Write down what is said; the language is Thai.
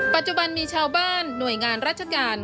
ปัจจุบันมีชาวบ้านหน่วยงานราชการ